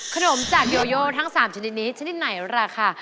ขนมจากโยโยทั้งสามชนิดนี้ชนิดไหนแหละค่ะ